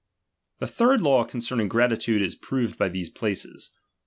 The third law concerning gratitude, is proved by these places.